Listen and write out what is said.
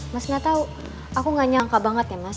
mas gak tahu aku nggak nyangka banget ya mas